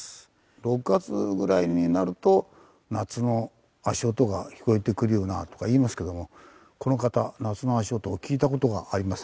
６月ぐらいになると夏の足音が聞こえてくるようなとか言いますけどもこの方夏の足音を聞いた事がありません。